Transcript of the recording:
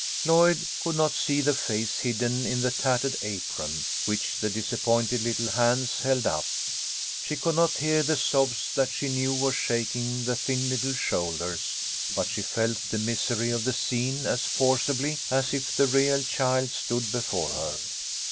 Lloyd could not see the face hidden in the tattered apron, which the disappointed little hands held up. She could not hear the sobs that she knew were shaking the thin little shoulders, but she felt the misery of the scene as forcibly as if the real child stood before her.